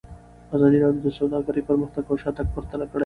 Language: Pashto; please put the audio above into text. ازادي راډیو د سوداګري پرمختګ او شاتګ پرتله کړی.